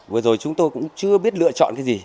vừa rồi chúng tôi cũng chưa biết lựa chọn cái gì